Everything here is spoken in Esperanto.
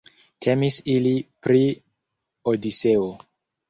Temis ili pri Odiseo.